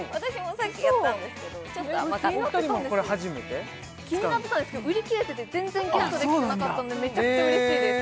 使うの気になってたんですけど売り切れてて全然ゲットできてなかったんでめちゃくちゃうれしいです